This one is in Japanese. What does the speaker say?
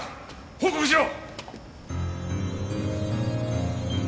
報告しろ！